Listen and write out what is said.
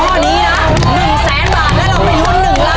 หนึ่งแสนบาทแล้วเราไปลุ้นหนึ่งล้านบาทอีกหนึ่งท่อนี้เหนือนะ